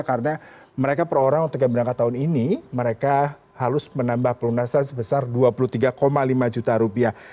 karena mereka per orang yang berangkat tahun ini mereka harus menambah pelundasan sebesar dua puluh tiga lima juta rupiah